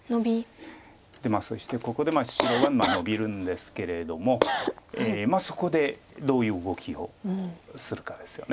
そしてここで白はノビるんですけれどもそこでどういう動きをするかですよね。